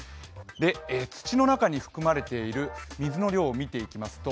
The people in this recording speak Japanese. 土の中に含まれている水の量を見ていきますと